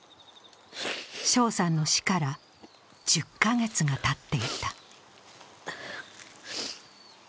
翔さんの死から１０か月がたっていた。